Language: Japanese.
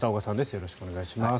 よろしくお願いします。